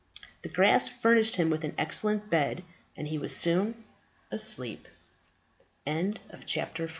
The grass furnished him with an excellent bed, and he was soon asleep. CHAPTER XV.